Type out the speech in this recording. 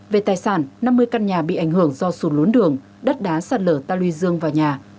về tài sản năm mươi căn nhà bị ảnh hưởng do sụn lốn đường đất đá sạt lở ta luy dương vào nhà